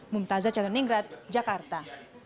mumtazah chatteningrat jakarta